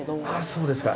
そうですか。